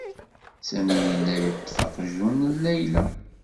Sami yella yeṭṭef aqjun n Layla.